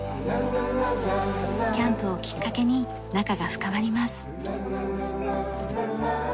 キャンプをきっかけに仲が深まります。